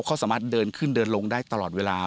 เขาสามารถเดินขึ้นเดินลงได้ตลอดเวลา